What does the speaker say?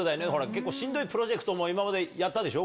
結構しんどいプロジェクトもやったでしょ？